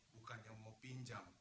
bukannya mau pinjam